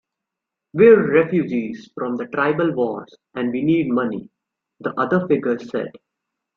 "We're refugees from the tribal wars, and we need money," the other figure said.